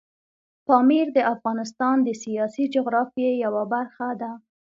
پامیر د افغانستان د سیاسي جغرافیې یوه برخه ده.